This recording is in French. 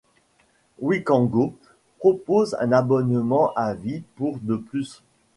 Wikango propose un abonnement à vie pour de plus.